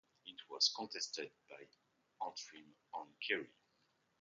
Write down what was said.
It was contested by Antrim and Kerry.